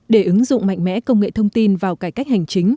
để ứng dụng mạnh mẽ công nghệ thông tin vào cải cách hành chính